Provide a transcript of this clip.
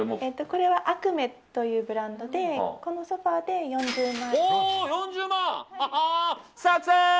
これはアクメというブランドでこのソファで４０万円。